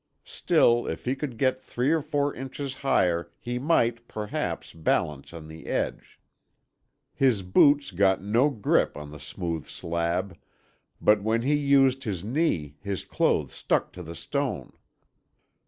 Still, if he could get three or four inches higher, he might, perhaps, balance on the edge. His boots got no grip on the smooth slab, but when he used his knee his clothes stuck to the stone.